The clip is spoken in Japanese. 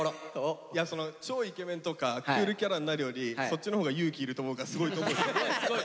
じゃあその超イケメンとかクールキャラになるよりそっちのほうが勇気いると思うからすごいと思うよ。